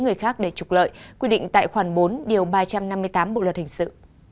người khác để trục lợi quy định tại khoản bốn điều ba trăm năm mươi tám bộ luật hình sự